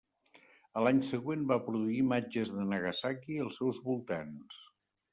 A l'any següent va produir imatges de Nagasaki i els seus voltants.